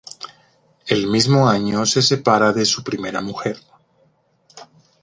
El mismo año se separa de su primera mujer.